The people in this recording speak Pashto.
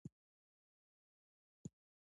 بهر تیاره وه خو په کوټه کې د څراغ رڼا وه.